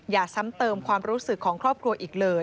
ซ้ำเติมความรู้สึกของครอบครัวอีกเลย